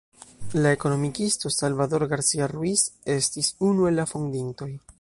La ekonomikisto Salvador Garcia-Ruiz estis unu el la fondintoj.